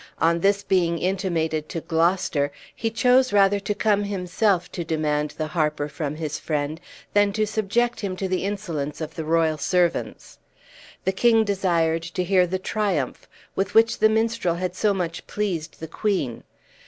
On this being intimated to Gloucester, he chose rather to come himself to demand the harper from his friend, than to subject him to the insolence of the royal servants. The king desired to hear "The Triumph," with which the minstrel had so much pleased the queen.